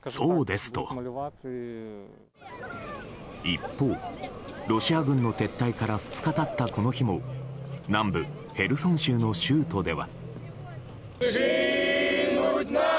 一方、ロシア軍の撤退から２日経ったこの日も南部ヘルソン州の州都では。